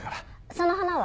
その花は？